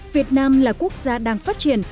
việt nam là quốc gia đang phát triển